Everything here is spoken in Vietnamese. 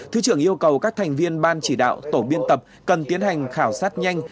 thứ trưởng yêu cầu các thành viên ban chỉ đạo tổ biên tập cần tiến hành khảo sát nhanh